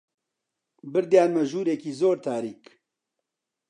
بردیانمە ژوورێکی زۆر تاریک